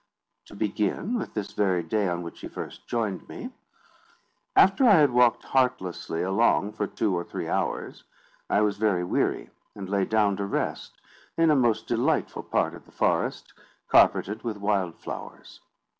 To begin with this very day on which he first joined me: after I had walked heartlessly along for two or three hours, I was very weary, and lay down to rest in a most delightful part of the forest, carpeted with wild flowers.